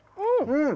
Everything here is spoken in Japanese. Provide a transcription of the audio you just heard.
うん！